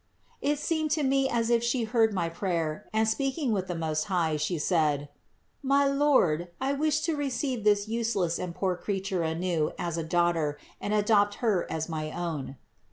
It seemed to me as if She heard my prayer and speaking with the Most High, She said: "My Lord, I wish to receive this use less and poor creature anew as a daughter and adopt her as my own."